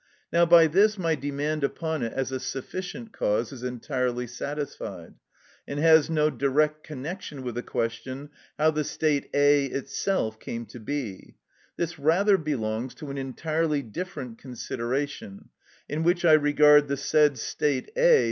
Now by this my demand upon it as a sufficient cause is entirely satisfied, and has no direct connection with the question how the state A. itself came to be; this rather belongs to an entirely different consideration, in which I regard the said state A.